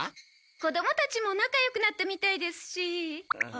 子どもたちも仲良くなったみたいですし。